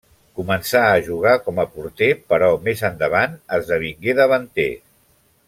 Començà a jugar com a porter, però més endavant esdevingué davanter.